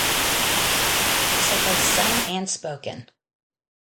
The texts are both sung and spoken.